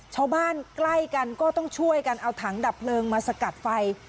ชาวบ้านใกล้กันก็ต้องช่วยกันเอาถังดับเพลิงมาสกัดไฟ